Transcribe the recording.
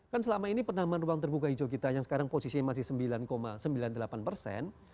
kan selama ini penambahan ruang terbuka hijau kita yang sekarang posisinya masih sembilan sembilan puluh delapan persen